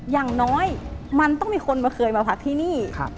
อย่างน้อยมันต้องมีคนมาเคยมาพักที่นี่